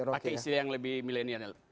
pakai istilah yang lebih milenial